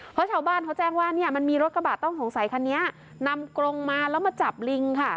เพราะชาวบ้านเขาแจ้งว่าเนี่ยมันมีรถกระบะต้องสงสัยคันนี้นำกรงมาแล้วมาจับลิงค่ะ